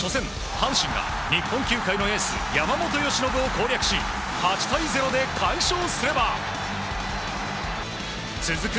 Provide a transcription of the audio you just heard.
阪神が日本球界のエース山本由伸を攻略し８対０で快勝すれば続く